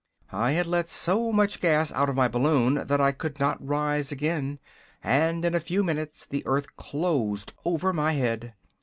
I had let so much gas out of my balloon that I could not rise again, and in a few minutes the earth closed over my head.